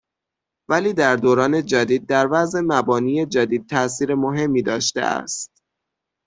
ولی در دوران جدید در وضع مبانی جدید تاثیر مهمی داشته است